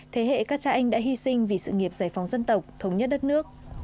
thế hệ các cha anh đã hy sinh vì sự nghiệp giải phóng dân tộc thống nhất đất nước